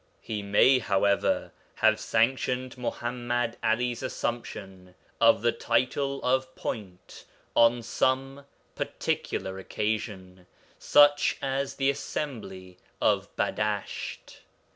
He may, however, have sanctioned Muḥammad 'Ali's assumption of the title of 'Point' on some particular occasion, such as the Assembly of Badasht.